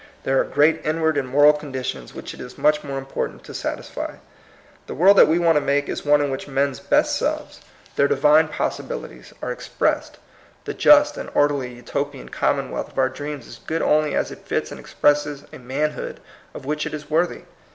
There are great inward and moral condi tions which it is much more important to satisfy. The world that we want to make is one in which men's best selves, their divine 164 THE COMING PEOPLE. possibilities, are expressed. The just and orderly Utopian commonwealth of our dreams is good only as it fits and ex presses a manhood of which it is worthy.